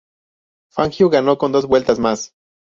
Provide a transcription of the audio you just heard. Fangio ganó con dos vueltas más.